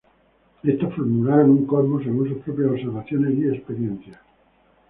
Estos formularon un cosmos según sus propias observaciones y experiencias.